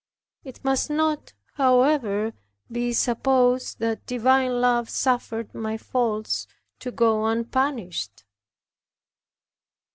It must not, however, be supposed that divine love suffered my faults to go unpunished.